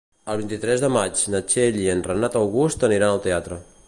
El vint-i-tres de maig na Txell i en Renat August aniran al teatre.